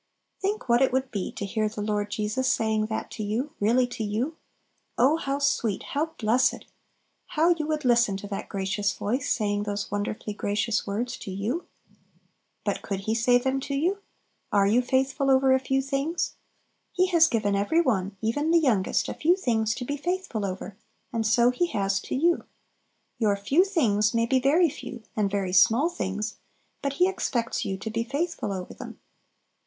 Think what it would be to hear the Lord Jesus saying that to you, really to you! Oh how sweet! how blessed! how you would listen to that gracious voice saying those wonderfully gracious words to you! But could He say them to you? Are you "faithful over a few things"? He has given every one, even the youngest, a few things to be faithful over, and so He has to you. Your "few things" may be very few, and very small things, but He expects you to be faithful over them.